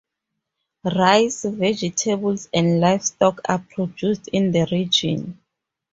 Rice, vegetables, and livestock are produced in the region.